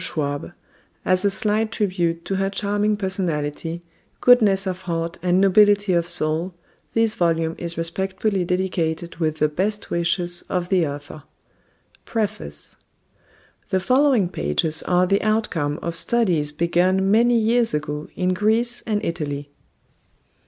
SCHWAB AS A SLIGHT TRIBUTE TO HER CHARMING PERSONALITY GOODNESS OF HEART AND NOBILITY OF SOUL THIS VOLUME IS RESPECTFULLY DEDICATED WITH THE BEST WISHES OF THE AUTHOR. PREFACE The following pages are the outcome of studies begun many years ago in Greece and Italy.